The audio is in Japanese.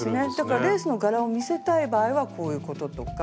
レースの柄を見せたい場合はこういうこととか。